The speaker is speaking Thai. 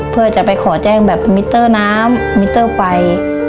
เพื่อจะไปขอแจ้งแบบมิเตอร์น้ำมิเตอร์ไฟ